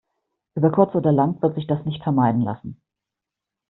Über kurz oder lang wird sich das nicht vermeiden lassen.